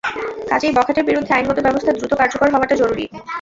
কাজেই বখাটের বিরুদ্ধে আইনগত ব্যবস্থা দ্রুত কার্যকর হওয়াটা জরুরি।